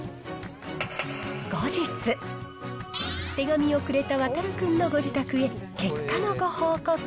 後日、手紙をくれた渉君のご自宅へ、結果のご報告。